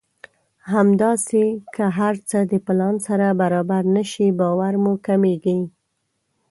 همداسې که هر څه د پلان سره برابر نه شي باور مو کمېږي.